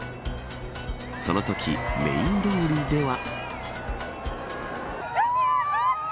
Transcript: そのときメーン通りでは。